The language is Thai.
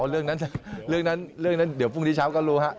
เรื่องนั้นเดี๋ยวพรุ่งที่เช้าก็รู้ครับ